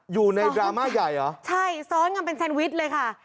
ดราม่าใหญ่เหรอใช่ซ้อนกันเป็นแซนวิชเลยค่ะ